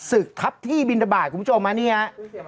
ศึกทับที่บินทบาทคุณผู้ชมฮะนี่ฮะ